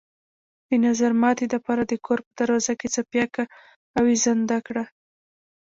د نظرماتي د پاره د كور په دروازه کښې څپياكه اوېزانده کړه۔